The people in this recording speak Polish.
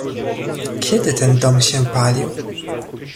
"„Kiedy ten dom się palił?"